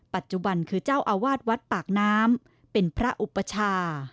ปัจจุบันคือเจ้าอาวาสวัดปากน้ำเป็นพระอุปชา